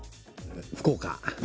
福岡。